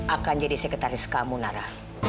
akan jadi sekretaris kamu nara